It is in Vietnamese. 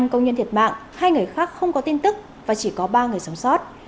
năm công nhân thiệt mạng hai người khác không có tin tức và chỉ có ba người sống sót